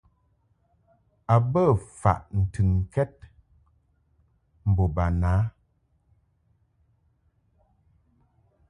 A bə faʼ ntɨnkɛd mbo bana.